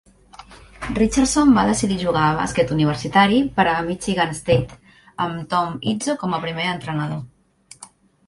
Richardson va decidir jugar a bàsquet universitari per a Michigan State amb Tom Izzo com a primer entrenador.